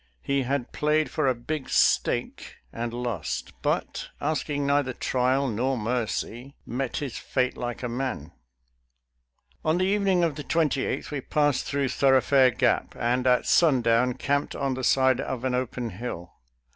He had played for a big stake and lost, but, asking neither trial nor mercy, met his fate like a man. •«♦ On the evening of the 28th we passed through Thoroughfare Gap, and at sundown camped on the side of an open hill.